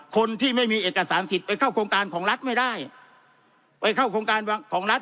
คนที่ไม่มีเอกสารสิทธิ์ไปเข้าโครงการของรัฐไม่ได้ไปเข้าโครงการของรัฐ